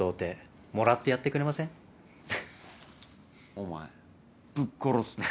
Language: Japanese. お前ぶっ殺す。